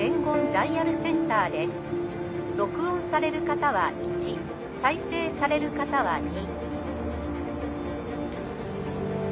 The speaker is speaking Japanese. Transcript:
録音される方は１再生される方は２」。